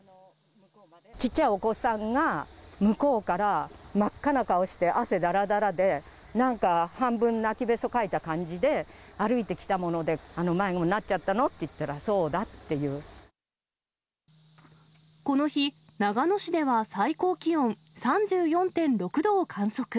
ちっちゃいお子さんが、向こうから真っ赤な顔して、汗だらだらで、なんか、半分泣きべそかいた感じで歩いてきたもので、迷子になっちゃったのって聞いたら、この日、長野市では最高気温３４．６度を観測。